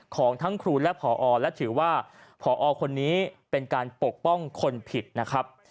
ของทั้งครูและผอและถือว่าพอคนนี้เป็นการปกป้องคนผิดนะครับ